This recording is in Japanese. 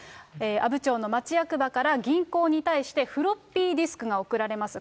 阿武町の町役場から銀行に対して、フロッピーディスクが送られます。